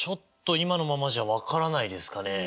今のままじゃ分からないですかね。